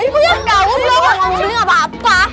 tentang uang kalau mau beli gak papa